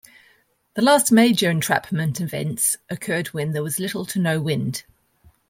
The last major entrapment events occurred when there was little to no wind.